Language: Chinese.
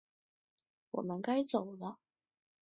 我们该走了